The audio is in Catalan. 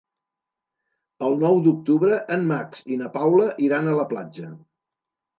El nou d'octubre en Max i na Paula iran a la platja.